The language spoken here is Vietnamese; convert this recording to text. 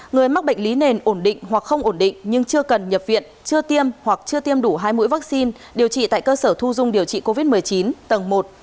người mắc bệnh lý nền ổn định hoặc không ổn định nhưng chưa cần nhập viện chưa tiêm hoặc chưa tiêm đủ hai mũi vaccine điều trị tại cơ sở thu dung điều trị covid một mươi chín tầng một